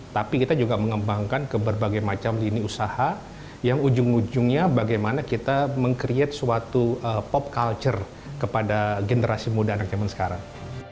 tapi kita juga mengembangkan ke berbagai macam lini usaha yang ujung ujungnya bagaimana kita meng create suatu pop culture kepada generasi muda anak zaman sekarang